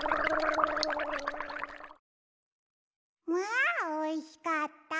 あおいしかった。